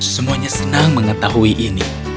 semuanya senang mengetahui ini